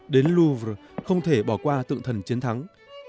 đến loovre không thể bỏ qua tượng thần chiến thắng